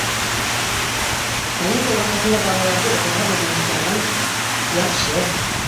Каникул ваҡытында балаларҙы уҡырға урынлаштырған яҡшы.